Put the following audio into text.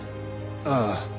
ああ。